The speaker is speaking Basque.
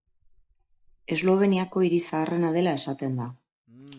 Esloveniako hiri zaharrena dela esaten da.